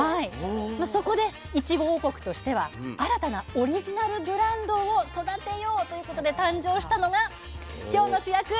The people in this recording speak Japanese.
そこでいちご王国としては新たなオリジナルブランドを育てようということで誕生したのが今日の主役